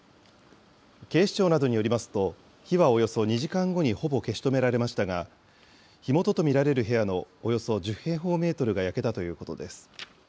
警視庁などによりますと、火はおよそ２時間後にほぼ消し止められましたが、火元と見られる部屋のおよそ１０平方メートルが焼けたということです。